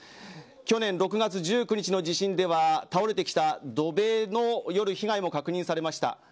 去年６月１９日の地震では倒れてきた土塀による被害も確認されました。